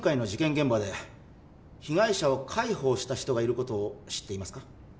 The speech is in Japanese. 現場で被害者を介抱した人がいることを知っていますか？